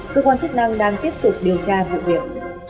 cơ quan chức năng đang tiếp tục điều tra vụ việc